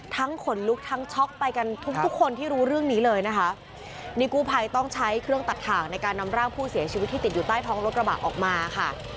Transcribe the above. ขนลุกทั้งช็อกไปกันทุกทุกคนที่รู้เรื่องนี้เลยนะคะนี่กู้ภัยต้องใช้เครื่องตัดถ่างในการนำร่างผู้เสียชีวิตที่ติดอยู่ใต้ท้องรถกระบะออกมาค่ะ